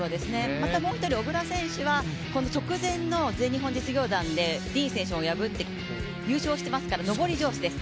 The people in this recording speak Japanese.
また、もう一人小椋選手は直前の全日本実業団でディーン選手を破って優勝していますから上り調子です。